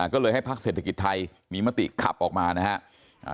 ก็เลยให้ภาคเศรษฐกิจไทยมีมติขับออกมานะครับ